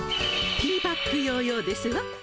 ティーバッグ・ヨーヨーですわ。